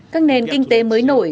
các nền kinh tế mới nổi